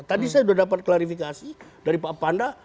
tadi saya sudah dapat klarifikasi dari pak panda